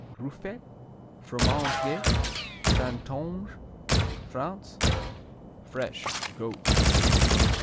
Ruffec, Fromage de Saintonge, France Fresh; goat.